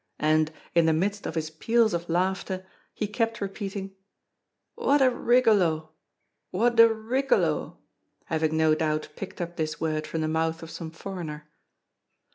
And, in the midst of his peals of laughter, he kept repeating: "What a rigolo! what a rigolo!" having, no doubt, picked up this word from the mouth of some foreigner.